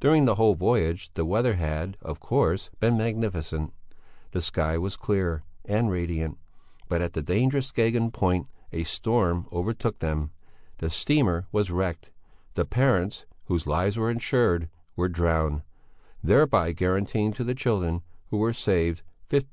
During the whole voyage the weather had, of course, been magnificent; the sky was clear and radiant, but at the dangerous Skagen Point a storm overtook them; the steamer was wrecked; the parents, whose lives were insured, were drowned, thereby guaranteeing to the children, who were saved, £1500.